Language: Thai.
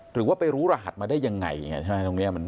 หรือว่าไปรู้รหัสมาได้ยังไงใช่ไหมตรงนี้